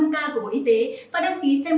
chúc quý vị và các bạn